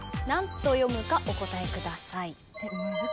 何と読むかお答えください。